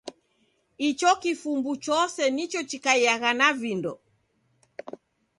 Icho kifumbu chose nicho chikaiagha na vindo.